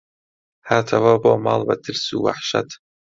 هاتەوە بۆ ماڵ بە ترس و وەحشەت